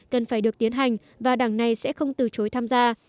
cần phải được tiến hành và đảng này sẽ không từ chối tham gia